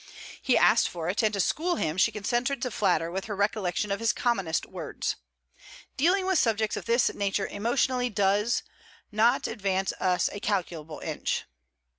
He asked for it, and to school him she consented to flatter with her recollection of his commonest words: '"Dealing with subjects of this nature emotionally does, not advance us a calculable inch."'